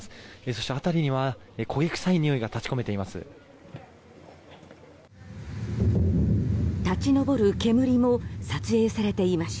そして辺りには焦げ臭いにおいが立ち込めています。